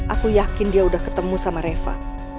aku yakin dia udah ketemu sama reva